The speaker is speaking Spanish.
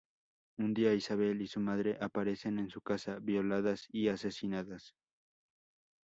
Un día Isabel y su madre aparecen, en su casa, violadas y asesinadas.